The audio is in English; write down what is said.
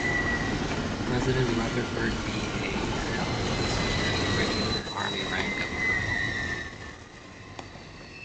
President Rutherford B. Hayes helped him secure the regular army rank of colonel.